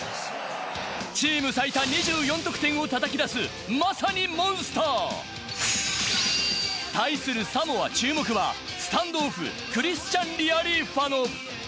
チーム最多２４得点を叩き出す、まさにモンスター。対するサモア、注目はスタンドオフ、クリスチャン・リアリーファノ。